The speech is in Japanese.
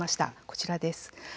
こちらです。